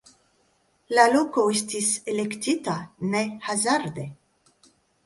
La loko estis elektita ne hazarde.